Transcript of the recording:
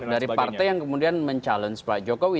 dari partai yang kemudian mencabar pak jokowi